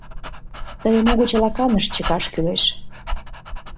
Тыйым угыч лаканыш чыкаш кӱлеш...